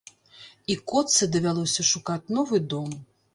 І котцы давялося шукаць новы дом.